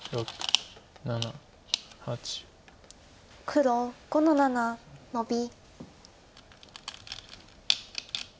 黒５の七ノビ。